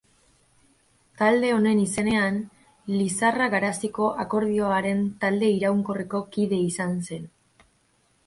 Talde honen izenean Lizarra-Garaziko Akordioaren talde iraunkorreko kide izan zen.